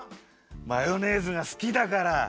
マヨネーズがすきだから。